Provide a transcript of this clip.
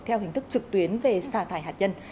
theo hình thức trực tuyến về xả thải hạt nhân